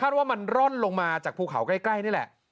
ว่ามันร่อนลงมาจากภูเขาใกล้นี่แหละ